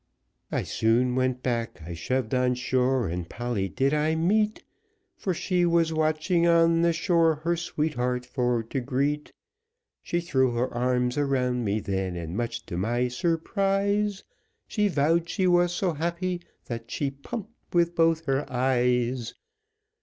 I soon went back, I shoved on shore, and Polly I did meet, For she was watching on the shore, her sweetheart for to greet, She threw her arms around me then, and much to my surprise, She vowed she was so happy that she pumped with both her eyes.